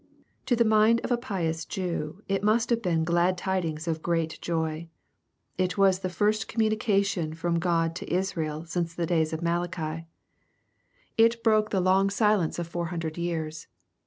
To the mind of a pious Jew, it must have been glad tidings of great joy. It was the first commu nication from God to Israel since the days of MalachL 8 EXPOsrroBY thoughts. It broke the long silenpe of four hundred years.